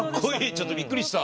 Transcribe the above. ちょっとびっくりした。